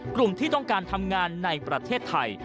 ที่ต้องการทำงานในประเทศไทย